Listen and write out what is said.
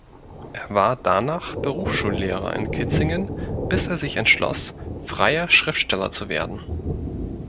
Er war danach Berufsschullehrer in Kitzingen, bis er sich entschloss, freier Schriftsteller zu werden.